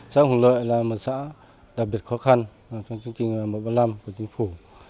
xã hùng lợi là một xã đặc biệt khó khăn trong chương trình mẫu văn lâm của chính phủ